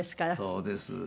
そうです。